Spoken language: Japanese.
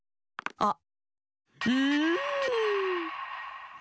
あっ。